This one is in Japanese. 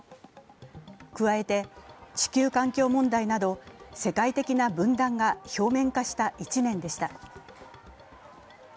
加えて、地球環境問題など世界的な分断が表面化した１年でした。